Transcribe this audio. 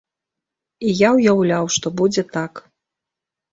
І я ўяўляў, што будзе так.